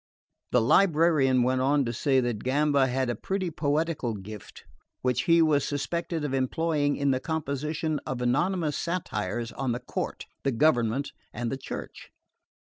The librarian went on to say that Gamba had a pretty poetical gift which he was suspected of employing in the composition of anonymous satires on the court, the government and the Church.